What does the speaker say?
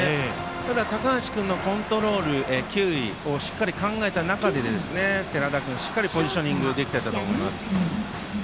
ただ、高橋君のコントロール球威をしっかりと考えた中で寺田君、しっかりとポジショニングできてました。